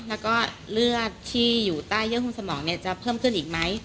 แล้วก็เลือดที่อยู่ใต้เยื่อหุ้มสมองจะเพิ่มขึ้นอีกไหม